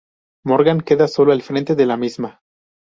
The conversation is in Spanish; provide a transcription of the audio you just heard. Morgan queda solo al frente de la misma.